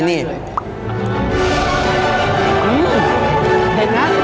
อื้มเผ็ดนะ